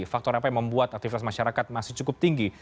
faktor apa yang membuat aktivitas masyarakat masih cukup tinggi